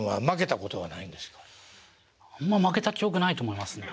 あんま負けた記憶ないと思いますね。